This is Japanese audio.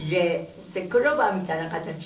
それクローバーみたいな形に？